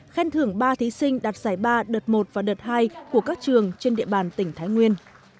khen thưởng ba thí sinh đạt giải ba đợt một và đợt hai của các trường trên địa bàn tỉnh thái nguyên